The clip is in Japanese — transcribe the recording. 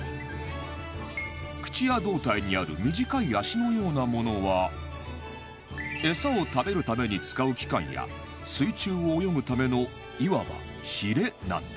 口や胴体にある短い足のようなものはエサを食べるために使う器官や水中を泳ぐためのいわばヒレなんです